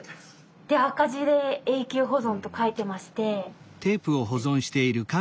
で赤字で「永久保存」と書いてまして。